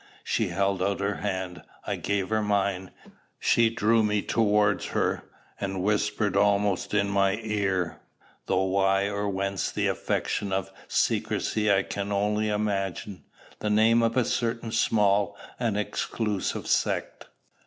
She held out her hand; I gave her mine: she drew me towards her, and whispered almost in my ear though why or whence the affectation of secrecy I can only imagine the name of a certain small and exclusive sect.